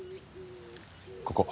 ここ。